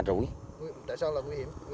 tại sao là nguy hiểm như thế này